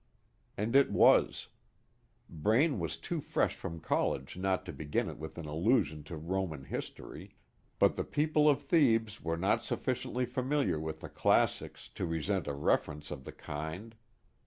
And it was. Braine was too fresh from college not to begin it with an allusion to Roman history, but the people of Thebes were not sufficiently familiar with the classics to resent a reference of the kind.